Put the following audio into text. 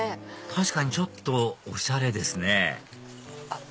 確かにちょっとおしゃれですねあっ